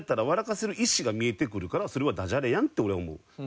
かせる意思が見えてくるからそれはダジャレやんって俺は思う。